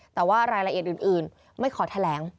แต่ว่ารายละเอียดอื่นไม่ขอแถลง